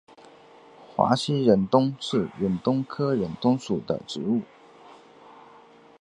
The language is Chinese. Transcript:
华西忍冬是忍冬科忍冬属的植物。